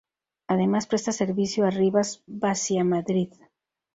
Además presta servicio a Rivas-Vaciamadrid.